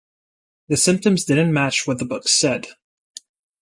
The symptoms didn't match what the books said.